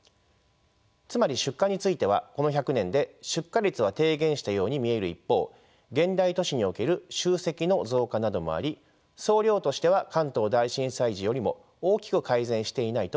つまり出火についてはこの１００年で出火率は低減したように見える一方現代都市における集積の増加などもあり総量としては関東大震災時よりも大きく改善していないともいえます。